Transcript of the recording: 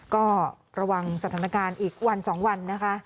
ก็ระวังสถานการณ์อีกวัน๒วันนะคะ